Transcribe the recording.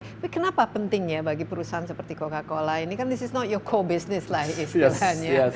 tapi kenapa penting ya bagi perusahaan seperti coca cola ini kan this is no your co business lah istilahnya